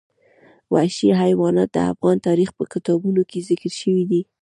وحشي حیوانات د افغان تاریخ په کتابونو کې ذکر شوي دي.